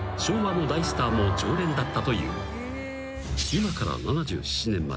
［今から７７年前。